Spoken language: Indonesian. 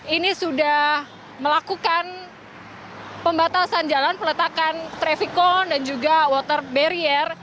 ini sudah melakukan pembatasan jalan peletakan trafikon dan juga water barrier